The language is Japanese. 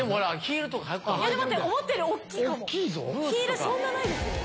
ヒールそんなないですよ。